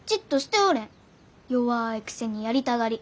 弱いくせにやりたがり。